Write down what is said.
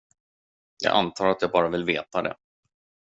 Jag antar att jag bara vill veta det.